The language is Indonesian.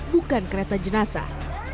bukan kereta jenazah